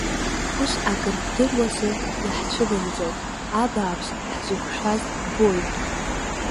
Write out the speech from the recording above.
Ус акрыбдыруазар, иаҳцәыбымӡан, абааԥсы, ҳзықәшәаз ббоит!